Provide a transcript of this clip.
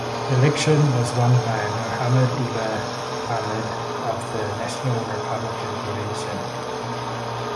The election was won by Mohammed Uba Ahmed of the National Republican Convention.